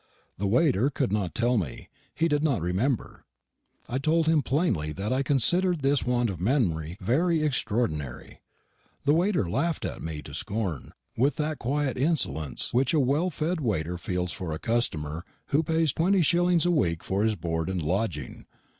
The waiter could not tell me. He did not remember. I told him plainly that I considered this want of memory very extraordinary. The waiter laughed me to scorn, with that quiet insolence which a well fed waiter feels for a customer who pays twenty shillings a week for his board and lodging.